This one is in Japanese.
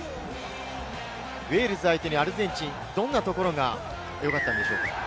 ウェールズを相手にアルゼンチン、どんなところが良かったんでしょうか？